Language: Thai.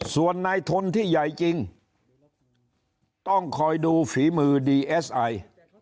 ส่วนนายทุนที่ใหญ่จริงต้องคอยดูฝีมือดีเอสไอ